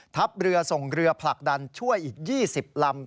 ทัพเรือส่งเรือผลักดันช่วยอีก๒๐ลำ